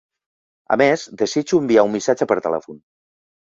A més, desitjo enviar un missatge per telèfon.